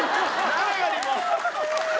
誰よりも。